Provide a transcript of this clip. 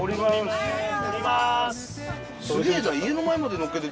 すげえな。